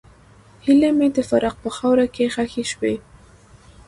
هیلې مې د فراق په خاوره کې ښخې شوې.